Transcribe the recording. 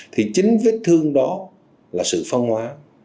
thì chính vết thương đó là sự phân hóa